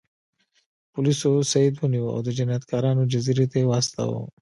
پولیسو سید ونیو او د جنایتکارانو جزیرې ته یې واستاوه.